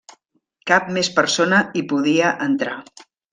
Cap més persona hi podia entrar.